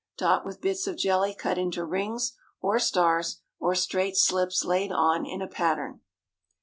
Dot with bits of jelly cut into rings or stars, or straight slips laid on in a pattern.